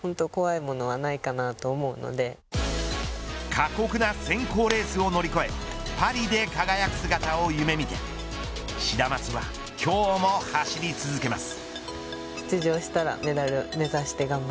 過酷な選考レースを乗り越えパリで輝く姿を夢見てシダマツは今日も走り続けます。